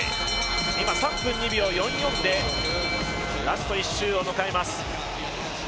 今、３分２秒４４でラスト１周を迎えます。